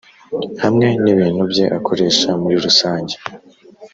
hamwe n’ibintu bye akoresha muri rusange.